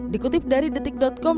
dikutip dari detik com